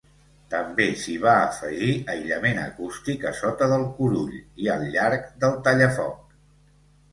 També s'hi va afegir aïllament acústic a sota del curull i al llarg del tallafoc.